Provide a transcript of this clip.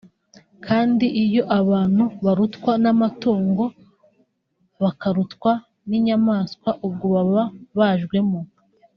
kandi iyo abantu barutwa n’amatungo bakarutwa n’inyamaswa ubwo baba bajwemo